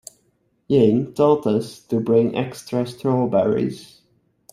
Ying told us to bring extra strawberries.